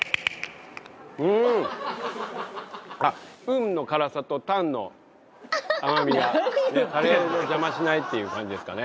ウンの辛さとタンの甘みがカレーを邪魔しないっていう感じですかね。